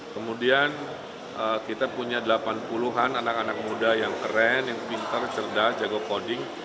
kemudian kita punya delapan puluh an anak anak muda yang keren yang pinter cerdas jago coding